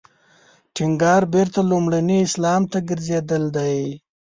ټینګار بېرته لومړني اسلام ته ګرځېدل دی.